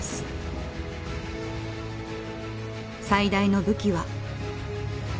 最大の武器は。